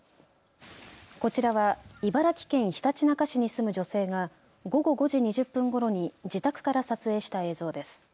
こちらは茨城県ひたちなか市に住む女性が午後５時２０分ごろに自宅から撮影した映像です。